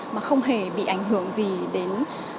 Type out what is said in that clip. mà không hề bị ảnh hưởng gì đến